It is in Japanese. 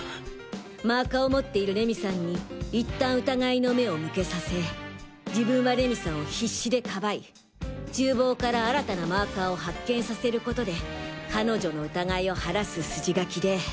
マーカーを持っている礼美さんに一旦疑いの目を向けさせ自分は礼美さんを必死でかばい厨房から新たなマーカーを発見させる事で彼女の疑いを晴らす筋書きで。